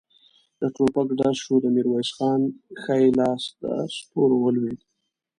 د ټوپک ډز شو، د ميرويس خان ښی لاس ته سپور ولوېد.